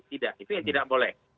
tidak itu ya tidak boleh